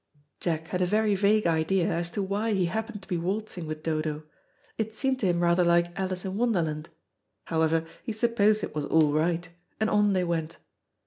Jack had a very vague idea as to why he happened to be waltzing with Dodo. It seemed to him rather like "Alice in Wonderland." However, he supposed it was all right, and on they went.